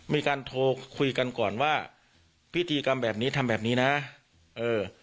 มีการโทรคุยกันก่อนว่าพิธีกรรมแบบนี้ทำแบบนี้นะเออ